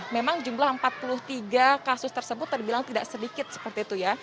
memang jumlah empat puluh tiga kasus tersebut terbilang tidak sedikit seperti itu ya